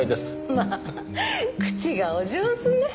まあ口がお上手ね。